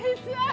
aku gak kuat kak